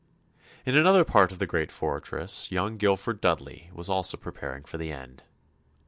In another part of the great fortress young Guilford Dudley was also preparing for the end.